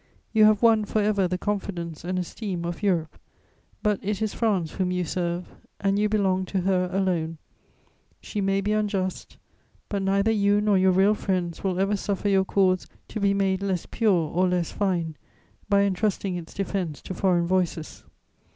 You have won for ever the confidence and esteem of Europe; but it is France whom you serve, and you belong to her alone. She may be unjust; but neither you nor your real friends will ever suffer your cause to be made less pure or less fine by entrusting its defense to foreign voices.